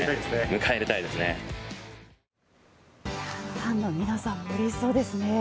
ファンの皆さんうれしそうですね。